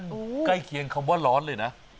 โอ้โหใกล้เคียงคำว่าร้อนเลยนะ